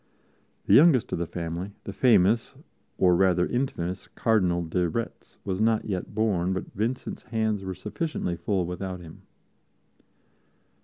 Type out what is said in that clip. The youngest of the family, the famous, or rather infamous, Cardinal de Retz, was not yet born, but Vincent's hands were sufficiently full without him.